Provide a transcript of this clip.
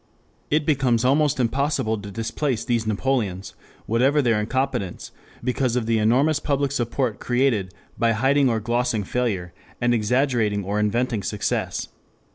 It becomes almost impossible to displace these Napoleons, whatever their incompetence, because of the enormous public support created by hiding or glossing failure, and exaggerating or inventing success....